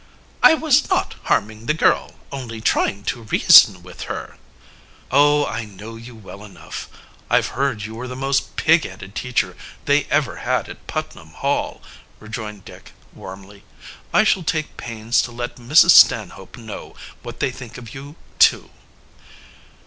"I was not harming the girl, only trying to reason with her." "Oh, I know you well enough. I've heard you were the most pigheaded teacher they ever had at Putnam Hall," rejoined Dick warmly. "I shall take pains to let Mrs. Stanhope know what they think of you, too."